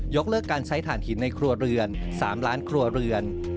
เลิกการใช้ฐานหินในครัวเรือน๓ล้านครัวเรือน